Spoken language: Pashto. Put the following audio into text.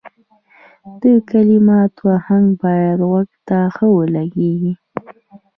د کلماتو اهنګ باید غوږ ته ښه ولګیږي.